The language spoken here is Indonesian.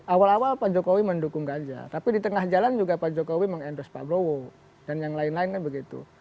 awal awal pak jokowi mendukung ganjar tapi di tengah jalan juga pak jokowi mengendos pak prabowo dan yang lain lainnya begitu